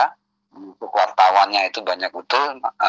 untuk wartawannya itu banyak betul